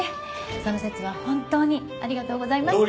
その節は本当にありがとうございました。